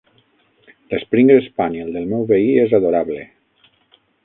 L'springer spaniel del meu veí és adorable